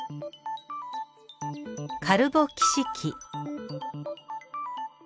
カルボキシ基。